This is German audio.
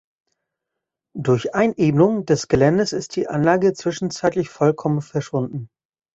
Durch Einebnung des Geländes ist die Anlage zwischenzeitlich vollkommen verschwunden.